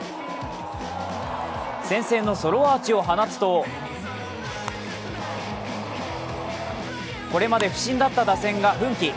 先制のソロアーチを放つとこれまで不振だった打線が奮起。